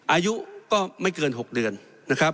อายุก็ไม่เกิน๖เดือนนะครับ